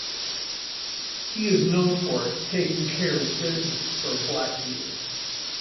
He is known for "taking care of business" for black theater.